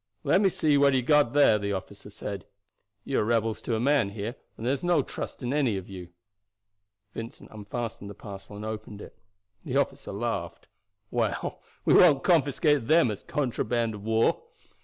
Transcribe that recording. "Let me see what you have got there," the officer said. "You are rebels to a man here, and there's no trusting any of you." Vincent unfastened the parcel and opened it. The officer laughed. "Well, we won't confiscate them as contraband of war."